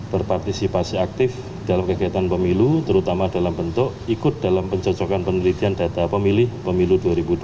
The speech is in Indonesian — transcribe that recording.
berpartisipasi aktif dalam kegiatan pemilu terutama dalam bentuk ikut dalam pencocokan penelitian data pemilih pemilu dua ribu dua puluh